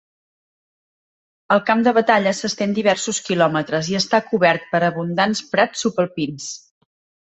El camp de batalla s'estén diversos quilòmetres i està cobert per abundants prats subalpins.